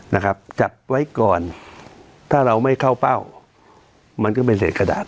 นะครับจัดไว้ก่อนถ้าเราไม่เข้าเป้ามันก็เป็นเศษกระดาษ